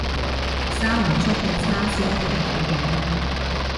生唔出嘅叉燒係好嘅